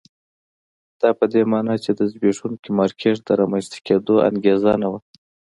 دا په دې معنی چې د زبېښونکي مارکېټ د رامنځته کېدو انګېزه نه وه.